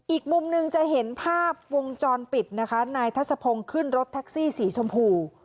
อีกมุมหนึ่งจะเห็นภาพวงจรปิดนะคะนายทัศพงศ์ขึ้นรถแท็กซี่สีชมพู